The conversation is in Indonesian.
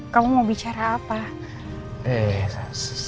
kamu mau bicara apa